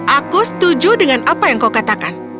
aku setuju dengan apa yang kau katakan